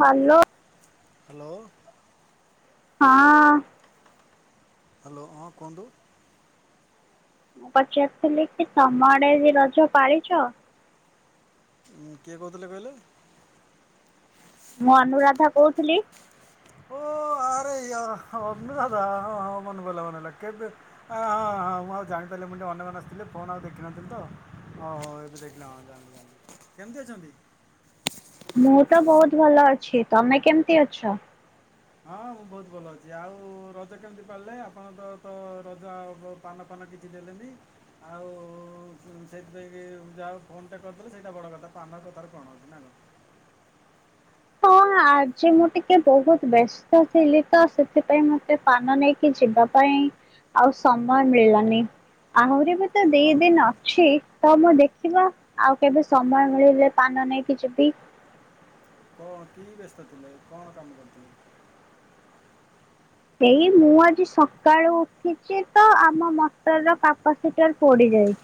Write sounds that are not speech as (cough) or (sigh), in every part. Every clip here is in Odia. ହ୍ୟାଲୋ। ହ୍ୟାଲୋ। ହଁ। ହ୍ୟାଲୋ ହଁ କୁହନ୍ତୁ। ମୁଁ ପଚାରିଥିଲି କି ତମ ଆଡେ ବି ରଜ ପଳିଛ। ଉଁ କିଏ କହୁଥିଲେ କହିଲେ? ମୁଁ ଅନୁରାଧା କହୁଥିଲି। ଓ ଆରେ ଆ ଅନୁରାଧା ହଁ ହଁ ମନେପଡ଼ିଲା ମନେପଡିଲା। କେବେ ହଁ ହଁ ମୁଁ ଆଉ ଜାଣିଥିଲି ମୁଁ ଟିକେ ଅନ୍ୟମନସ୍କ ଥିଲି। ଫୋନ୍ ଆଉ ଦେଖିନଥିଲି ତ ହଁ ହ ଏବେ ଦେଖିଲି। ଜାଣିଲି ଜାଣି କେମିତି ଅଛନ୍ତି? ମୁଁ ତ ବହୁତ ଭଲ ଅଛି। ତମେ କେମିତି ଅଛ? ହଁ ମୁଁ ବହୁତ ଭଲ ଅଛି। ଆଉ ରଜ କେମିତି ପିଲେ ଆପଣ ତ ତ ରଜ ପାନ ଫାନ କିଛି ଦେଲେନି ଆଉ ସେଇଥିପାଇଁ ଯାହା ହଉ ଫୋନଟେ କରିଦେଲେ ସେଇଟା ବଡ଼ କଥା ପାନ କଥାରେ କଣ ଅଛି ନା କଣ। ହଁ ଆଜି ମୁଁ ଟିକେ ବହୁତ ବ୍ୟସ୍ତ ଥିଲି ତ ସେଥିପାଇଁ ମତେ ପାନ ନେଇକି ଯିବା ପାଇଁ ଆଉ ସମୟ ମିଳିଲନି। ଆହୁରି ତ ଆଉ ଦି କଣ ଦିନ ଅଛି। ତ ମୁଁ ଦେଖିବା ଆଉ କେବେ ସମୟ ମିଳିଲେ ପାନ ନେଇକି ଯିବି। କଣ କି ବ୍ୟସ୍ତ ଥିଲେ? କଣ କାମ କରୁଥିଲେ? ଏଇ ମୁଁ ଆଜି ସକାଳୁ ଉଠିଛି ତ ଆମ ମଟରର କାପାସିଟର ପୋଡି ଯାଇଛି।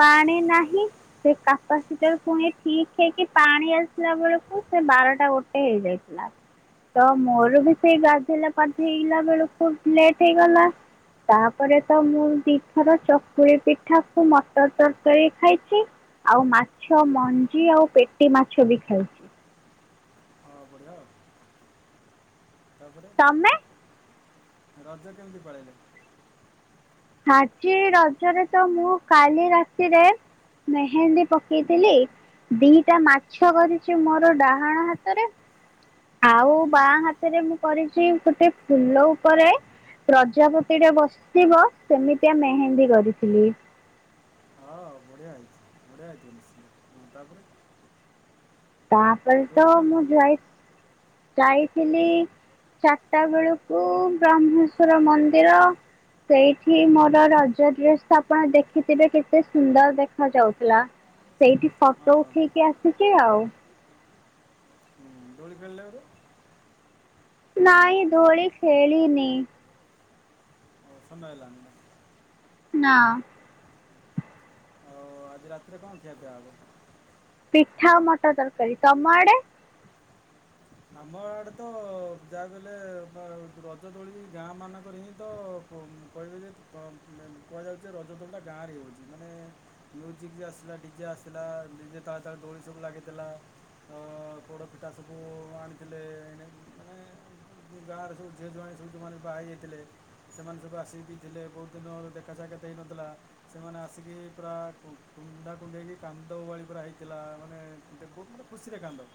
ପାଣି ଆଚ୍ଛା ନାହିଁ ସେ କାପାସିଟର ପୁଣି ଠିକ ହେଇକି ପାଣି ଆସିଲା ବେଳକୁ ସେ ବାରଟା ଗୋଟେ ହେଇଯାଇଥିଲା। ତ ଆଚ୍ଛା ମୋର ବି ସେଇ ଗାଧୋଇଲା ଧେଇଲା ବେଳକୁ ଲେଟ ହେଇଗଲା। ତାପରେ ତ ମୁଁ ଦିଥର ଚକୁଳି ପିଠାକୁ ମଟର ତରକାରୀ ଖାଇଛି ଆଉ ହୁଁ ମାଛ ମଞ୍ଜି ଆଉ ପେଟି ମାଛ ବି ଖାଇଛି। ହଁ ବଢ଼ିଆ ଆଉ ତାପରେ ତମେ? ରଜ କେମିତି ପାଳିଲେ। ଆଜି ରଜରେ ତ ମୁଁ କାଲି ରାତିରେ ମେହେନ୍ଦୀ ପକେଇଥିଲି। ଦିଟା ମାଛ କରିଛି ମୋର ଡାହାଣ ହାତରେ ଆଉ ହୁଁ ବାଆଁ ହାତରେ ମୁଁ କରିଛି ଗୋଟେ ଫୁଲ ଉପରେ ପ୍ରଜାପତି ଟା ବସିିବ ସେମିତିଆ ମେହେନ୍ଦୀ କରିଥିଲି। ହଁ ବଢିଆ ହେଇଛି ବଢିଆ ହେଇଛି ନିଶ୍ଚ। ତାପରେ ତାପରେ ତ ଦୋଳି ଖେଳିଲେ ମୁଁ ଯାଇ ଯାଇଥିଲି ଚାରିଟା ବେଳକୁ ବ୍ରହ୍ମେଶ୍ଵର ମନ୍ଦିର ସେଇଠି ମୋର ରଜ ଡ୍ରେସ ଆପଣ ଦେଖିଥିବେ କେତେ ସୁନ୍ଦର ଦେଖ ଯାଉଥିଲା। ସେଇଠି ହଁ ଫଟୋ ହଁ ଉଠେଇକି ଆସିଛି ଆଉ। ହୁଁ ଦୋଳି ଖେଳିଲେ (inaudible) ନାଇଁ ଦୋଳି ଖେଲିନି। (inaudible) ନାଁ। ତ ଆଜି ରାତିରେ କଣ ଖିଆ ପିଆ ହବ? ପିଠା ଆଉ ମଟର ତରକାରୀ। ତମ ଆଡେ ଆମ ଆଡ଼େ ତ ଯାହାକୁ କଲେ ରଜ ଦୋଳି ଗାଁ ମାନଙ୍କରେ ହିଁ ତ କହିବେ ଯେ କୁହାଯାଉଛି ରଜ ଦୋଳିଟା ଗାଁରେ ହେଉଛି ମାନେ ମ୍ୟୁଜିକ୍ ଯେ ଆସିଲା ଡିଜେ ଆସିଲା ଡିଜେ ତାଳେ ତାଳେ ଦୋଳି ସବୁ ଲାଗିଥିଲା। ପୋଡ଼ପିଠା ସବୁ ଆଣିଥିଲେ ମାନେ ଗାଁରେ ସବୁ ଝିଅଝୁଆ ସବୁ ଯେଉଁମାନେ ବାହା ହେଇଯାଇଥିଲେ ସେମାନେ ସବୁ ଆସି ପିଇଥିଲେ ବହୁତ ଦିନ ଦେଖା ସାକ୍ଷାତ ହେଇନଥିଲା ସେମାନେ ଆସିକି ପୁରା କୁଣ୍ଡା କୁଣ୍ଡେଇକି କାନ୍ଦ ବାଳି ପୁରା ହେଇଥିଲା। ମାନେ ବହୁତ ମାନେ ଖୁସିରେ କାନ୍ଦ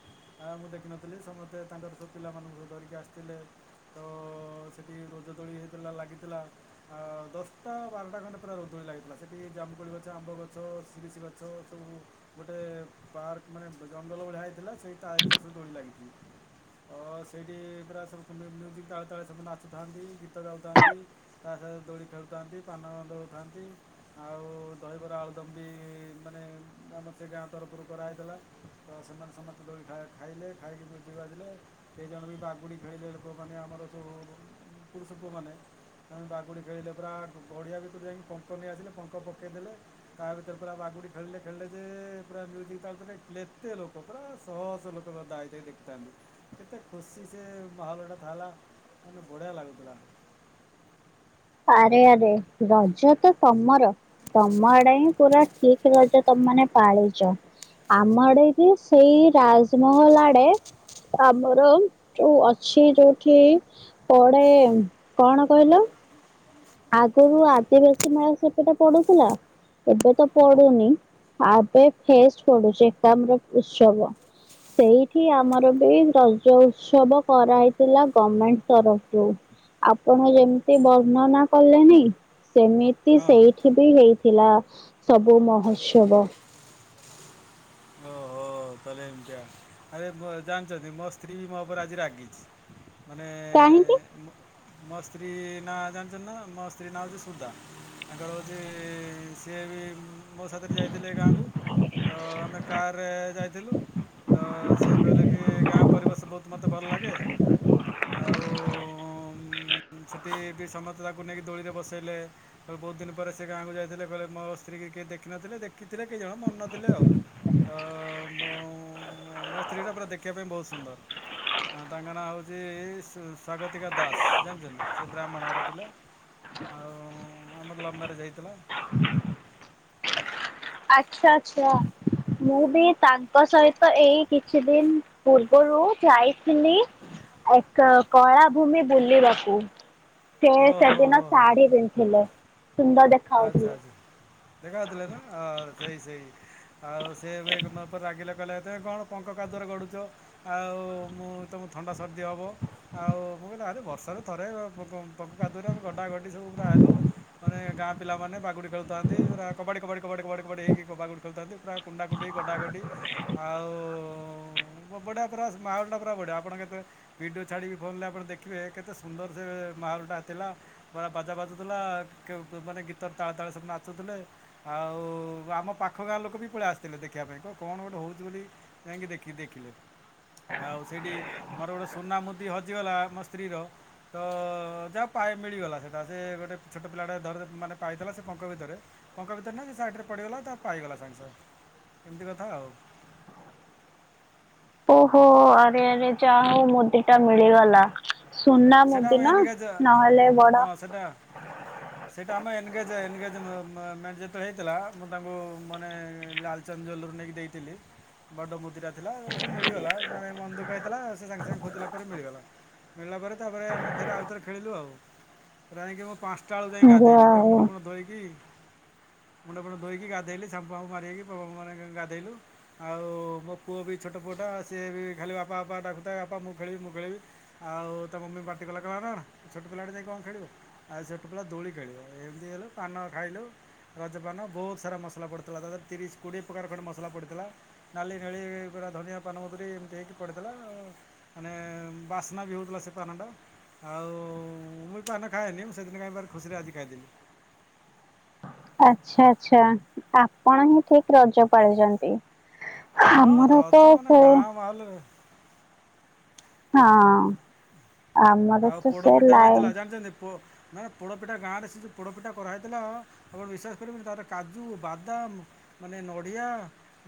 ଆ ମୁଁ ଦେଖିନଥିଲି ଥିଲି ସମସ୍ତେ ତାଙ୍କର ସବୁ ପିଲାମାନଙ୍କୁ ସବୁ ଧରିକି ଆସିଥିଲେ। ତ ସେଠି ରୋଜଦୋଳି ହେଇଥିଲା ଲାଗିଥିଲା ଦଶଟା ବାରଟା ଖଣ୍ଡେ ପୁରା ରୋଜଦୋଳି ଲାଗିଥିଲା। ସେଠି ଜାମୁକୋଳି ଗଛ ଆମ୍ବ ଗଛ ସିରିସିି ଗଛ ସବୁ ଗୋଟେ ପାର୍କ ମାନେ ଜଙ୍ଗଲ ଭଳିଆ ହେଇଥିଲା ସେଇ ତା ଭିତରେ ସବୁ ଦୋଳି ଲାଗିଥିଲା। ତ ସେଇଠି ପୁରା ସବୁ ମୁଜିକ୍ ତାଳେ ତାଳେ ସବମାନେ ନାଚୁଥାନ୍ତି। ଗୀତ ଗାଉଥାନ୍ତି। ତା ସହିତ ଦୋଳି ଖେଳୁଥାନ୍ତି ପାନ ଦଳୁଥାନ୍ତି। ଆଉ ଦହିବରା ଆଳୁଦମ୍ ବି ମାନେ ଆମର ସେ ଗାଁ ତରଫରୁ କରାହୋଇଥିଲା। ତ ସେମାନେ ସମସ୍ତେ ଦୋଳି ଖାଇଲେ। ଖାଇକି ମୁଜିକ୍ ବାସିଲେ ସେହି ଜଣ ବି ବାଗୁଡ଼ି ଖେଳିଲେ ଲୋକମାନେ ଆମର ସବୁ ପୁରୁଷ ପୁଅମାନେ ବାଗୁଡ଼ି ଖେଳିଲେ ପୁରା ଗଡ଼ିଆ ଭିତରୁ ଯାଇକି ପଙ୍କ ନେଇଆସିଲେ ପଙ୍କ ପକାଇ ଦେଲେ ତା ଭିତରେ ପୁରା ବାଗୁଡ଼ି ଖେଳିଲେ ଖେଳିଲେ ଯେ ପୁରା ମ୍ୟୁଜିକ୍ ତାଳ ଏତେ ଲୋକ ପୁରା ଶହ ଶହ ଲୋକ ଗଦା ହେଇ ସେ ଦେଖିଥାନ୍ତି କେତେ ଖୁସି ସେ ମାହଲ ଟା ଲା ମାନେ ବଢିଆ ଲାଗୁଥିଲା। ଆରେ ଆରେ ରଜ ତ ତମର। ତମ ଆଡେ ହିଁ ପୁରା ଠିକ ରଜ ତମାନେ ପାଳିଛ। ଆମ ଆଡେ ବି ସେଇ ରାଜମହଲ ଆଡେ ଆମର ଯଉ ଅଛି ଯୋଉଠି ପଡେ କଣ କହିଲ ଆଗରୁ ଆଦିବାସୀ ମେଳା ସେପଟେ ପଡୁଥିଲା। ଏବେ ତ ହଁ ପଡୁନି ଏବେ ଫେଷ୍ଟ ପଡୁଛି ଏକାମର ଉତ୍ସବ। ସେଇଠି ଆମର ବି ରଜ ଉତ୍ସବ କରାହେଇଥିଲା ଗମେଣ୍ଟ ତରଫରୁ। ଆପଣ ଯେମିତି ବର୍ଣ୍ଣନା କଲେନି ସେମିତି ହଁ ସେଇଠି ବି ହେଇ ଥିଲା ସବୁ ମହୋତ୍ସବ। ଓହୋ। ତାହେଲେ ଏମତିଆ ଆରେ ଜାଣିଛନ୍ତି ମୋ ସ୍ତ୍ରୀ ବି ମୋ ଉପରେ ଆଜି ରାଗିଛି। ମାନେ କାହିଁକି? ମୁଁ ମୋ ସ୍ତ୍ରୀ ନାଁ ଜାଣିଛନ୍ତି ନା ମୋ ସ୍ତ୍ରୀ ନା ହଉଛି ସୁଧା। ତାଙ୍କର ହଉଛି ସିଏ ବି ମୋ ସାଥିରେ ଯାଇଥିଲେ ଗାଁକୁ। ତ ଆମେ କାର ରେ ଯାଇଥିଲୁ। ତ ସିଏ କହିଲେ କି ଗାଁ ପରିବେଶ ବହୁତ ମତେ ଭଲ ଲାଗେ ଆଉ ସେଠି ବି ସମସ୍ତେ ତାକୁ ନେଇକି ଦୋଳିରେ ବସେଇଲେ କହିଲେ ବହୁତ ଦିନ ପରେ ସେ ଗାଁକୁ ଯାଇଥିଲେ। କହିଲେ ମୋ ସ୍ତ୍ରୀକି କିଏ ଦେଖିନଥିଲେ ଦେଖିଥିଲେ କେହି ଜଣ ମନ ନଥିଲେ ଆଉ। ତ ମୁଁ ମୋ ସ୍ତ୍ରୀଟା ପୁରା ଦେଖିବା ପାଇଁ ବହୁତ ସୁନ୍ଦର ଆ ତାଙ୍କ ନାଁ ହେଉଛି ସ୍ୱାଗତିକା ଦାସ ଜାଣିଛନ୍ତି ସେ ବ୍ରାହ୍ମଣ ଘର ପିଲା ଆଉ ଆମର ଲଭ୍ ମ୍ୟାରେଜ ହେଇଥିଲା। ଆଚ୍ଛା ଆଚ୍ଛା ମୁଁ ବି ତାଙ୍କ ସହିତ ଏଇ କିଛି ଦିନ ପୂର୍ବରୁ ଯାଇଥିଲି ଏକ କଳା ଭୂମି ବୁଲିବାକୁ। ସେ ଓ ହୋ ସେଦିନ ହୋ ହୋ ଶାଢୀ ପିନ୍ଧିଥିଲେ। ସୁନ୍ଦର ଆଚ୍ଛା ଦେଖାଯାଉଥିଲେ। ଆଚ୍ଛା ଦେଖା ହେଇଥିଲେ ନା ସେଇ ସେଇ ଆଉ ସେ ଏବେ ମୋ ଉପରେ ରାଗିଲା କହିଲା ତମେ କଣ ପଙ୍କ କାଦୁଅରେ ଗଡ଼ୁଛ ଆଉ ମୁଁ ତମକୁ ଥଣ୍ଡା ସର୍ ସର୍ଦ୍ଦି ହବ ଆଉ ମୁଁ କହିଲି ଆରେ ବର୍ଷେ ତାହେଲେ ଥରେ ପଙ୍କ କାଦୁଅରେ ଆମେ ଗଡ଼ାଗଡ଼ି ସବୁ ପୁରା ହେଲୁ ମାନେ ଗାଁ ପିଲାମାନେ ବାଗୁଡ଼ି ଖେଳୁଥାନ୍ତି ପୁରା କବାଡ଼ି କବାଡ଼ି କବାଡ଼ି କବାଡ଼ି କବାଡ଼ି ହୋଇକି ବାଗୁଡ଼ି ଖେଳୁଥାନ୍ତି ପୁରା କୁଣ୍ଡା କୁଣ୍ଡି ଗଡ଼ା ଗଡ଼ି ଆଉ ବଢ଼ିଆ ପୁରା ମାହୋଲ ଟା ପୁରା ବଢିଆ ଆପଣ କେତେ ଭିଡିଓ ଛାଡ଼ିକି ଫୋନରେ ଆପଣ ଦେଖିବେ କେତେ ସୁନ୍ଦର ସେ ମାହଲଟା ଥିଲା ପୁରା ବାଜା ବାଜୁଥିଲା ମାନେ ଗୀତର ତାଳ ତାଳେ ସବୁ ନାଚୁଥିଲେ ଆଉ ଆମ ପାଖ ଗାଁ ଲୋକ ବି ପଳେଇ ଆସିଥିଲେ ଦେଖିବା ପାଇଁ କହିଲେ କଣ ଗୋଟେ ହଉଛି ବୋଲି ଯାଇକି ଦେଖି ଦେଖିଲେ ଆଉ ସେଇଠି ମୋର ଗୋଟେ ସୁନା ମୁଦି ହଜିଗଲା ମୋ ସ୍ତ୍ରୀର ତ ଯାହା ପାଏ ମିଳିଗଲା ସେଇଟା ସେ ଗୋଟେ ଛୋଟ ପିଲାଟେ ଧରି ମାନେ ପାଇଥିଲା ସେ ପଙ୍କ ଭିତରେ ପଙ୍କ ଭିତରେ ନୁହଁ ସେ ସାଇଟରେ ପଡ଼ିଗଲା ତା ପାଇଗଲା ସାଙ୍ଗେ ସାଙ୍ଗେ ଏମିତି କଥା ଆଉ। ଓହୋ ଆରେ ଆରେ ଯା ହଉ ମୁଦିଟା ମିଳିଗଲା। ସୁନା ସେଇଟା ଆମେ ମୁଦି ନା ଏନଗେଜ୍ ନହେଲେ ବଡ ହଁ ସେଇଟା ସେଇଟା ଆମ ଏନଗେଜ୍ ଏନଗେଜ ମାନେ ଯେତେବେଳେ ହେଇଥିଲା ମୁଁ ତାଙ୍କୁ ମାନେ ଲାଲଚାନ୍ଦ ଜ୍ୱେଲେରିରୁ ନେଇକି ଦେଇଥିଲି ବଡ଼ ମୁଦିଟା ଥିଲା ସେ ମିଳିଗଲା ମାନେ ଭାରି ମନଦୁଃଖ ହେଇଥିଲା ସେ ସାଙ୍ଗେ ସାଙ୍ଗେ ଖୋଜିଲା ପରେ ମିଳିଗଲା ମିଳିଲା ପରେ ତାପରେ ଆମେ ଫେରେ ଆଉଥରେ ଖେଳିଲୁ ଆଉ ଯାଇଁକି ମୁଁ ପାଞ୍ଚଟା ବେଳକୁ ଯାଇ ଯାହା ଗାଧେଇଲି ପୁରା ହଉ ମୁଣ୍ଡ ଫୁଣ୍ଡ ଧୋଇକି ମୁଣ୍ଡ ଫୁଣ୍ଡ ଧୋଇକି ଗାଧେଇଲି ସାମ୍ପୋ ଫାମ୍ପ ମାରି ହେଇକି ମାନେ ଗାଧେଇଲୁ ଆଉ ମୋ ପୁଅ ବି ଛୋଟ ପୁଅଟା ସିଏ ବି ଖାଲି ବାପା ବାପା ଡାକୁଥାଏ ବାପା ମୁଁ ଖେଳିବି ମୁଁ ଖେଳିବି ଆଉ ତା ମମି ପାଟି କଲା କହିଲା ନା ଛୋଟ ପିଲାଟେ ଯାଇ କଣ ଖେଳିବ ଆଉ ଛୋଟ ପିଲା ଦୋଳି ଖେଳିବ ଏମିତି ହେଲୁ ପାନ ଖାଇଲୁ ରଜପାନ ବହୁତ ସାରା ମସଲା ପଡ଼ିଥିଲା ତା ଦେହରେ ତିରିଶ କୋଡ଼ିଏ ପ୍ରକାର ଖଣ୍ଡେ ମସଲା ପଡ଼ିଥିଲା ନାଲି ନେଳି ପୁରା ଧନିଆ ପାନମଧୁରୀ ଏମିତି ହେଇକି ପଡ଼ିଥିଲା ମାନେ ବାସ୍ନା ବି ହେଉଥିଲା ସେ ପାନଟା ଆଉ ମୁଁ ବି ପାନ ଖାଏନି ମୁଁ ସେଦିନ କାଇଁ ଭାରି ଖୁସିରେ ଆଜି ଖାଇଦେଲିି। ଆଚ୍ଛା ଆଚ୍ଛା ଆପଣ ହିଁ ଠିକ ରଜ ପାଳିଛନ୍ତି। ହଁ ଆମର ତ ରଜ ମାନେ ସେ ଗାଁ ମାହୋଲରେ ହଁ। ଆମର ଆଉ ତ ପୋଡ ସେ ପିଠା ବି ଲାଇନ ହେଇଥିଲା ଜାଣିଛନ୍ତି ପୋ ମାନ ପୋଡ଼ପିଠା ଗାଁରେ ସେ ଯେଉଁ ପୋଡ଼ପିଠା କରାହୋଇଥିଲା ଆପଣ ବିଶ୍ୱସ କରିବେନି ତାର କାଜୁ ବାଦାମ ମାନେ ନଡ଼ିଆ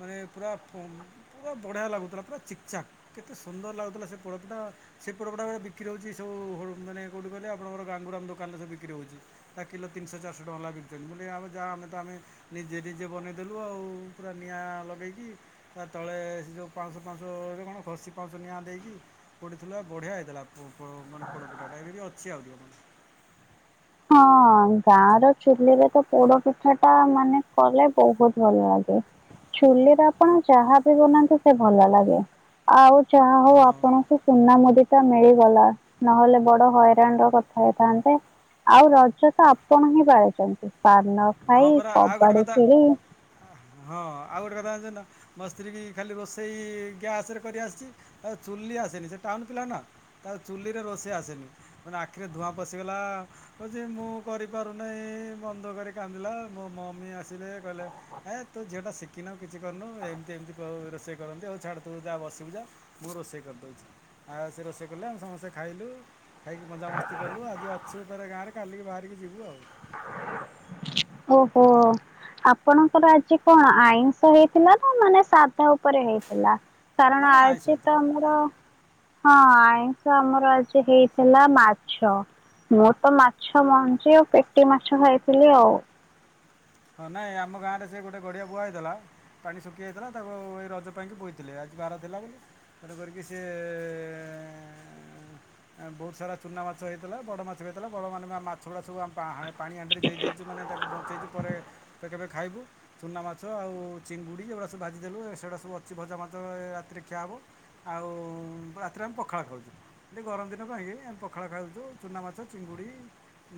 ମାନେ ପୁରା ପୁରା ବଢ଼ିଆ ଲାଗୁଥିଲା ପୁରା ଚିକଚାକ୍ କେତେ ସୁନ୍ଦର ଲାଗୁଥିଲା ସେ ପୋଡ଼ପିଠା ସେ ପୋଡ଼ପିଠା ଗରେ ବିକ୍ରି ହେଉଛି। ଯୋଉ ମାନେ କେଉଁଠି କଲେ ଆପଣଙ୍କର ଗାଙ୍ଗୁରାମ ଦୋକାନରେବୁ ବିକ୍ରି ହେଉଛି ତା କିଲୋ ତିନିଶହ ଚାରିଶହ ଟଙ୍କା ହେଲା ବିକିଛନ୍ତି ବୋ ଯାହା ଆମେ ତ ଆମେ ନିଜେ ନିଜେ ବନେଇଦେଲୁ ଆଉ ପୁରା ନିଆଁ ଲଗେଇକି ତା ତଳେ ସେ ଯେଉଁ ପାଞ୍ଚଶହ ପାଁଶରେ କଣ ଖସି ପାଉଁଶହ ନିଆଁ ଦେଇକି ପୋଡ଼ିଥିଲା ବଢ଼ିଆ ହେଇଥିଲା। ମାନେ ପୋଡ଼ ପିଠାଟା ଏବେ ବି ଅଛି ଆହୁରି। ହଁ ଗାଁ ର ଚୁଲିରେ ତ ପୋଡ ପିଠା ଟା ମାନେ କଲେ ବହୁତ ଭଲ ଲାଗେ। ଚୁଲି ଆପଣ ଯାହା ବି ବନାନ୍ତିୁ ସେ ଭଲ ଲାଗେ ଆଉ ଚାହା ହଉ ହଁ ଆପଣଙ୍କୁ ସୁନା ମୁଦି ଟା ମିଳି ଗଲା ନହେଲେ ବଡ ହଇରାଣ ର କଥା ହେଇଥାନ୍ତେ। ଆଉ ରଜ ତ ଆପଣ ହିଁ ପାଳିଛନ୍ତି। ପାନ ହଁ ଖାଇ ପରା ଆଉ ଗୋଟେ କବାଡି କଥା ଖେଳି। ହଁ ଆଉ ଗୋଟେ କଥା ଜାଣିଛ ନା ମୋ ସ୍ତ୍ରୀ କି ଖାଲି ରୋଷେଇ ଗ୍ୟାସରେ କରିଆସିଛି। ତା ଚୁଲି ଆସେନି ସେ ଟାଉନ ପିଲା ନା। ତା ଚୁଲିରେ ରୋଷେଇ ଆସେନି। ମାନେ ଆଖିରେ ଧୂଆଁ ପଶିଗଲା କଉଛି ମୁଁ କରିପାରୁନାହିଁ। ବଧ କରିଲେ। କାନ୍ଦିଲା ମୋ ମମି ଆସିଲେ। ତୁ ଝିଅ ଟା ଶିଖ କି ନ କିଛି କରିନୁ। ଏମିତି ଏମିତି ରୋଷେଇ କରନ୍ତି ଆଉ। ଛାଡେ ତୁ ଯା ବସିବୁ ଯା। ମୁଁ ରୋଷେଇ କରିଦେଉଛି। ଆଉ ସେ ରୋଷେଇ କଲେ ଆମେ ସମସ୍ତେ ଖାଇଲୁ। ଖାଇକି ମଜାମସ୍ତି କଲୁ। ଆଜି ଅଛୁ ଥରେ ଗାଁରେ କାଲିକି ବାହାରିକି ଯିବୁ ଆଉ। ଓହୋ ଆପଣଙ୍କର ଆଜି କଣ ଆଇଁଷ ହେଇଥିଲା ନା ମାନେ ସାଧା ଉପରେ ହେଇଥିଲା। ନା କାରଣ ନା ଆଇଁଷ ଆଉଛି ତ ହେଇଥିଲା ନା ଆମର ହଁ ଆଇଁଷ ଆମର ଆଜି ହେଇଥିଲା ମାଛ। ମୁଁ ତ ମାଛ ମଞ୍ଜି ଆଉ ପେଟି ମାଛ ଖାଇଥିଲି ଆଉ। ହଁ ନାଇଁ ଆମ ଗାଁରେ ସେ ଗୋଟେ ଗଡିଆ ବୁଆ ହେଇଥିଲା। ପାଣି ଶୁଖିଯାଇଥିଲା ତାକୁ ଏଇ ରଜ ପାଇଁକି ବୋଇଥିଲେ। ଆଜି ବାର ଥିଲା ବୋଲି ତେଣୁ କରିକି ସିଏ ଏ ଆଁ ବହୁତ ସାରା ଚୂନା ମାଛ ହେଇଥିଲା। ବଡ ମାଛ ବି ହେଇଥିଲା ବଡ ମ ମାଛ ଗୁଡା ସବୁ ଆମ ପା ପାଣି ଆଣ୍ଡିରେ ଯେଇ ଦେଇଛୁ। ମାନେ ତାକୁ ବଞ୍ଚେଇଛୁ। ପରେ କେବେ ଖାଇବୁ ଚୁନାମାଛ ଆଉ ଚିଙ୍ଗୁଡି ଏଇଗୁଡା ସବୁ ଭାଜିଦେଲୁ। ସେଗୁଡା ସବୁ ଅଛି ଭଜା ମାଛ ରାତିରେ ଖିଆ ହେବ। ଆଉ ରାତିରେ ଆମେ ପଖାଳ ଖାଉଛୁ। ଏ ଗରମ ଦିନ ପାଇଁ କି ଆମେ ପଖାଳ ଖାଉଛୁ। ଚୁନାମାଛ ଚିଙ୍ଗୁଡି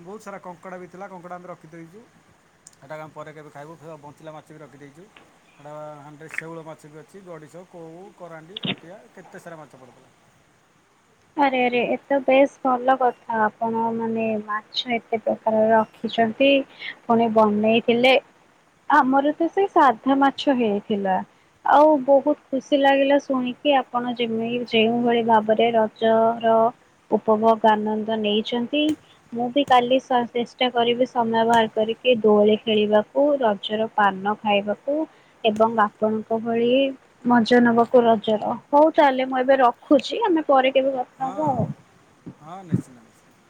ବହୁତ ସାରା କଙ୍କଡା ବି ଥିଲା କଙ୍କଡା ଆମେ ରଖି ଦେଇଛୁ। ହେଟାକୁ ଆମେ ପରେ କେବେ ଖାଇବୁ। ବଞ୍ଚିଲା ମାଛ ବି ରଖିଦେଇଛୁ। ସେଟା ହାଣ୍ଡିରେ ଶେଉଳ ମାଛ ବି ଅଛି। ଗଡିଶ, କଉ, କରାଣ୍ଡି, କଣ୍ଟିଆ କେତେ ସାରା ମାଛ ପଡିଥିଲା। ଆରେ ଆରେ ଏତ ବେଶ ଭଲ କଥା। ଆପଣ ମାନେ ମାଛ ଏତେ ପ୍ରକାର ରଖିଛନ୍ତି। ପୁଣି ବନେଇଥିଲେ। ଆମର ତ ସେ ସାଧା ମାଛ ହେଇଥିଲା। ଆଉ ବହୁତ ଖୁସି ଲାଗିଲା ଶୁଣିକି ଆପଣ ଯେମି ଯେଉଁଭଳି ଭାବରେ ରଜର ଉପଭୋଗ ଆନନ୍ଦ ନେଇଛନ୍ତି। ମୁଁ ବି କାଲି ଚେଷ୍ଟା କରିବି ସମୟ ବାହାର କରିକି ଦୋଳି ଖେଳିବାକୁ। ରଜର ପାନ ଖାଇବାକୁ ଏବଂ ଆପଣଙ୍କ ଭଳି ମଜା ନେବାକୁ ରଜର। ହଉ ତାହଲେ ମୁଁ ଏବେ ରଖୁଛି। ଆମେ ପରେ କେବେ କଥା ହଁ ହବା ଆଉ। ହଁ ହଁ ନିଶ୍ଚିନ୍ତ ନିଶ୍ଚିନ୍ତ।